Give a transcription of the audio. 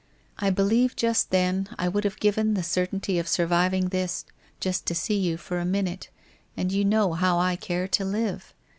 I believe, just then, I would have given the certainty of surviving this just to see you for a minute, and you know how I care to live.